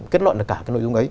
kết luận được cả cái nội dung ấy